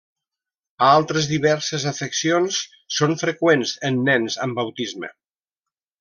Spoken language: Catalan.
Altres diverses afeccions són freqüents en nens amb autisme.